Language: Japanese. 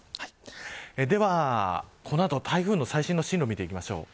ではこの後、台風の最新の進路を見ていきます。